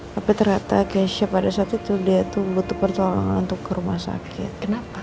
tapi ternyata keisha pada saat itu dia itu butuh pertolongan untuk ke rumah sakit